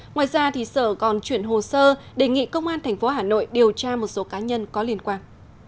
ngoài ra sở còn chuyển hồ sơ đề nghị công an tp hà nội điều tra một số cá nhân có liên quan